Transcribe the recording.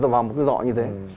vào một cái dọ như thế